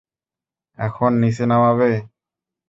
এখন নিচে নামাবে?